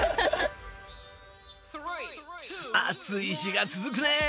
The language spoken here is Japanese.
暑い日が続くね！